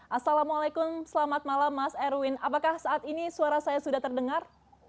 assalamualaikum selamat malam mas erwin apakah saat ini suara saya sudah terdengar